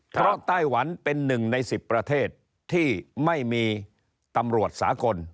เพราะไต้หวันเป็นหนึ่งใน๑๐ประเทศที่ไม่มีตำรวจสากล